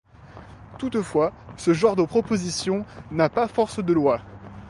Toutefois, ce genre de proposition n'a pas force de loi.